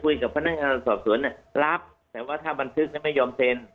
กับพนักงานสอบสวนรับแต่ว่าถ้าบันทึกไม่ยอมเซ็น